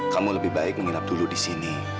kamu lebih baik menginap dulu di sini